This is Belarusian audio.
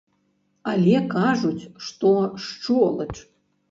Але кажуць, што шчолач.